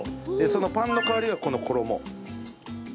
そのパンの代わりがこの衣。